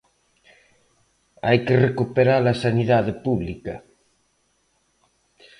Hai que recuperar a sanidade pública.